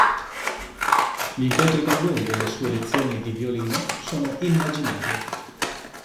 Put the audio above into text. Gli incontri con lui e le sue lezioni di violino sono immaginarie.